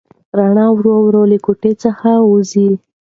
رڼا ورو ورو له کوټې څخه وځي.